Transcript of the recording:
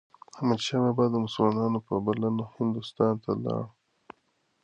احمدشاه بابا د مسلمانانو په بلنه هندوستان ته لاړ.